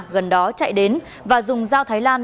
gần đó chạy đến và dùng dao thái lan